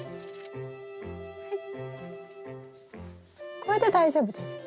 これで大丈夫ですね？